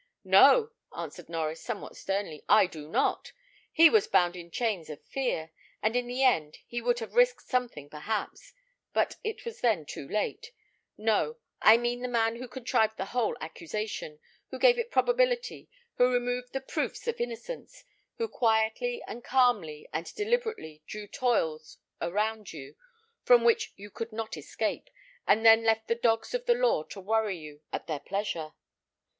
"No!" answered Norries, somewhat sternly, "I do not. He was bound in chains of fear; and in the end he would have risked something perhaps; but it was then too late. No; I mean the man who contrived the whole accusation, who gave it probability, who removed the proofs of innocence, who quietly, and calmly, and deliberately, drew toils around you from which you could not escape, and then left the dogs of the law to worry you at their pleasure."